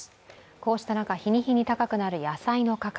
こうした中、日に日に高くなる野菜の価格。